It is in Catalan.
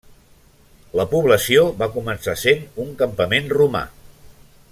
La població va començar sent un campament romà.